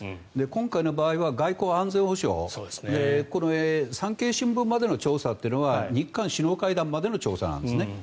今回の場合は外交・安全保障産経新聞までの調査というのは日韓首脳会談までの調査なんですね。